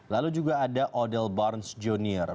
lalu juga ada odell barnes jr